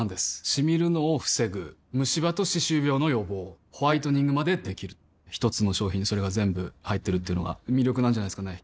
シミるのを防ぐムシ歯と歯周病の予防ホワイトニングまで出来る一つの商品にそれが全部入ってるっていうのが魅力なんじゃないですかね